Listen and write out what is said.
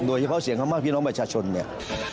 โดยเฉพาะเสียงข้างมากพี่น้องประชาชนเนี่ย